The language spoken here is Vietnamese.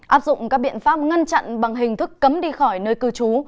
áp dụng các biện pháp ngăn chặn bằng hình thức cấm đi khỏi nơi cư trú